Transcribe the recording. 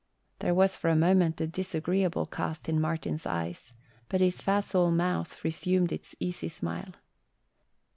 There was for a moment a disagreeable cast in Martin's eyes, but his facile mouth resumed its easy smile.